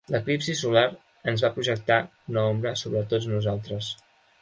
L'eclipsi solar ens va projectar una ombra sobre tots nosaltres.